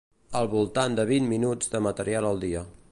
Al voltant de vint minuts de material al dia.